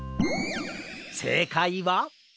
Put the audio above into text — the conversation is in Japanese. せいかいは？